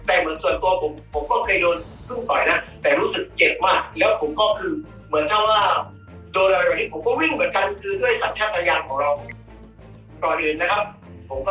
แต่มันส่วนก็บอกฉันก็เคยหรือโดนทุ่มต่อนะ